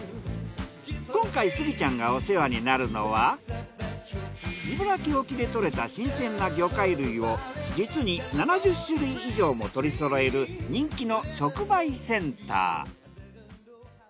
今回スギちゃんがお世話になるのは茨城沖で獲れた新鮮な魚介類を実に７０種類以上も取り揃える人気の直売センター。